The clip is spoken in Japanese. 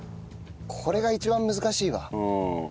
これが一番難しいわ。